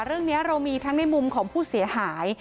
เรื่องนี้เรามีทั้งในมุมของผู้เสียหาย